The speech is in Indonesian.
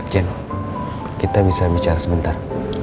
jen kita bisa bicara sebentar